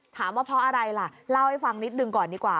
ว่าเพราะอะไรล่ะเล่าให้ฟังนิดหนึ่งก่อนดีกว่า